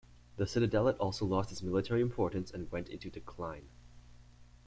The Citadellet also lost its military importance and went into decline.